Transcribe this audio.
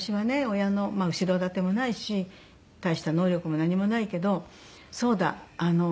親の後ろ盾もないし大した能力も何もないけどそうだ！